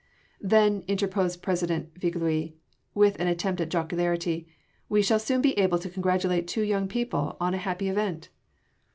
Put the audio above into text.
"Then," interposed President Viglius with an attempt at jocularity, "we shall soon be able to congratulate two young people on a happy event!"